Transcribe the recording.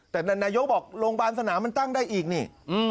แต่นายกบอกโรงพยาบาลสนามมันตั้งได้อีกนี่